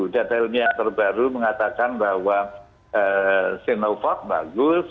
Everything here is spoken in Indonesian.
data ilmiah terbaru mengatakan bahwa sinovac bagus